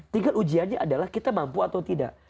tinggal ujiannya adalah kita mampu atau tidak